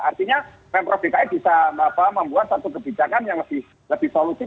artinya member bki bisa membuat satu kebijakan yang lebih solusif